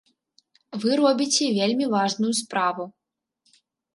Вы робіце вельмі важную справу.